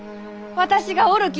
私がおるき！